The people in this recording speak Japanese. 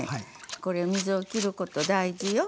これ水をきること大事よ。